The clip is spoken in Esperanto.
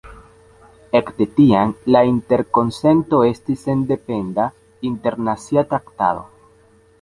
Ekde tiam la Interkonsento estis sendependa internacia traktato.